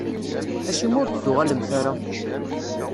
Acimi ur d-tuɣalemt ara?